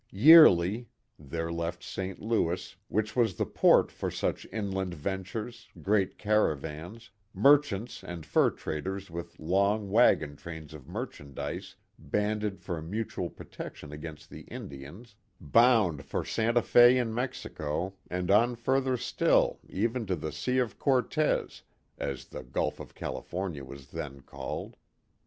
Yearly, there left Saint Louis, which was the port for such inland ventures, great caravans ; merchants and fur traders with long wagon trains of merchandise banded for mutual protection against the Indians, bound for Santa Fe in Mexico and on further still even to the " Sea of Cortez," as the Gulf of Califor nia was then called.